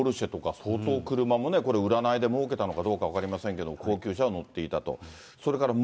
だからロールスロイスとかポルシェとか、相当車もね、これ、占いでもうけたのかどうか分かりませんけれども、高級車に乗っていたと。